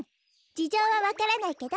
じじょうはわからないけど。